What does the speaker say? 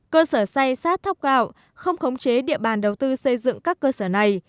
cơ sở say sát thóc gạo không khống chế địa bàn đầu tư xây dựng các cơ sở này